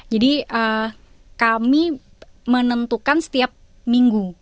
jadi kami menentukan setiap minggu